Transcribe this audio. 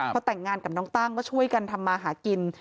พอแต่งงานกับน้องตั้งก็ช่วยกันทำมาหากิน